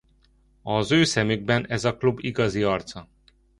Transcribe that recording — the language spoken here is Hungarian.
Az ő szemükben ez a klub igazi arca.